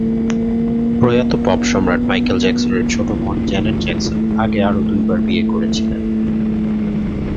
প্রয়াত পপসম্রাট মাইকেল জ্যাকসনের ছোট বোন জ্যানেট জ্যাকসন আগে আরও দুইবার বিয়ে করেছিলেন।